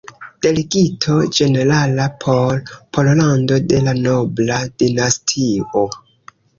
Delegito Ĝenerala por Pollando de la "Nobla Dinastio.